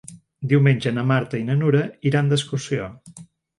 Diumenge na Marta i na Nura iran d'excursió.